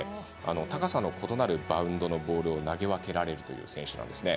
高さの異なるバウンドのボールを投げ分けられる選手なんですね。